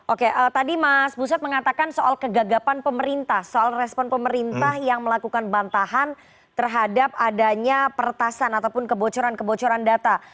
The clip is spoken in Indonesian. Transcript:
oke tadi mas buset mengatakan soal kegagapan pemerintah soal respon pemerintah yang melakukan bantahan terhadap adanya pertasan ataupun kebocoran kebocoran data